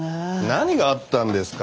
何があったんですか？